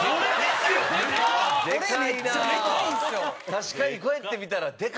確かにこうやって見たらでかいな。